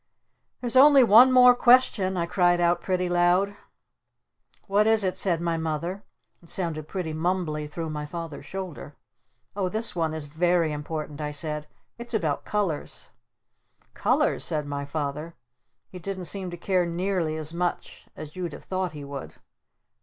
"There's only one more question!" I cried out pretty loud. "What is it?" said my Mother. It sounded pretty mumbly through my Father's shoulder. "Oh this one is very important," I said. "It's about colors." "Colors?" said my Father. He didn't seem to care nearly as much as you'd have thought he would.